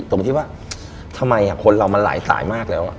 ผมคิดว่าทำไมคนเรามันหลายสายมากแล้ว